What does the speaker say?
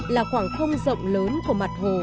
là khoảng không rộng lớn của mặt hồ